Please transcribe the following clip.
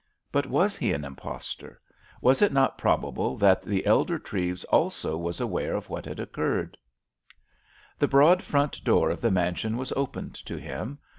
But was he an impostor; was it not probable that the elder Treves also was aware of what had occurred? The broad front door of the mansion was opened to him.